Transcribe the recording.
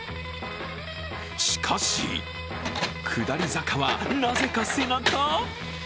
しかし、下り坂はなぜか背中？